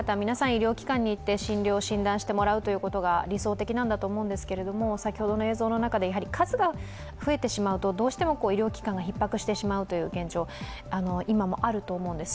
医療機関に行って診療、診断してもらうということが理想的なんだと思うんですが先ほどの映像の中で、数が増えてしまうと医療機関がひっ迫して島を状況、今もあると思うんです。